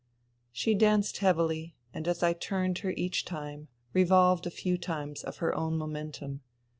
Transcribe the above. ... She danced heavily ; and as I turned her each time, revolved a few times of her own momentum.